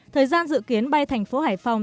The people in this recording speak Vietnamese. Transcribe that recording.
thời gian dự kiến bay thành phố hải phòng